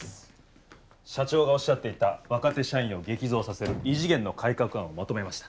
社長がおっしゃっていた若手社員を激増させる異次元の改革案をまとめました。